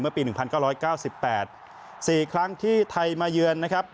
เมื่อปีหนึ่งพันเก้าร้อยเก้าสิบแปดสี่ครั้งที่ไทยมาเยือนนะครับ